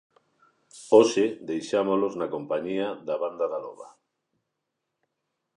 Hoxe deixámolos na compañía da Banda da Loba.